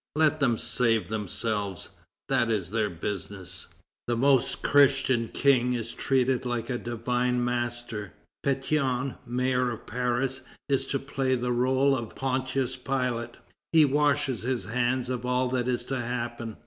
Let them save themselves; that is their business!" The Most Christian King is treated like the Divine Master. Pétion, mayor of Paris, is to play the rôle of Pontius Pilate. He washes his hands of all that is to happen.